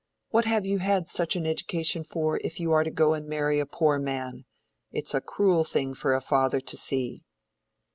What have you had such an education for, if you are to go and marry a poor man? It's a cruel thing for a father to see."